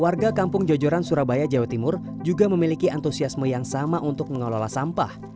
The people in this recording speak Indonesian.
warga kampung jojoran surabaya jawa timur juga memiliki antusiasme yang sama untuk mengelola sampah